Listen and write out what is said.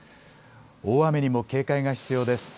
大雨にも警戒が必要です。